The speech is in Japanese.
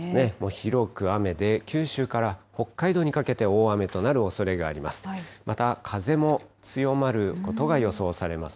広く雨で、九州から北海道にかけて大雨となるおそれがあります。